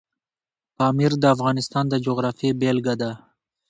پامیر د افغانستان د جغرافیې بېلګه ده.